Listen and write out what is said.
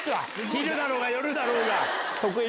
昼だろうが夜だろうが。